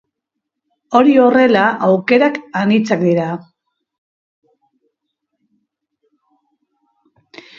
Hori horrela, aukerak anitzak dira.